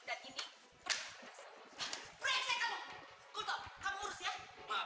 dan ini benar benar salah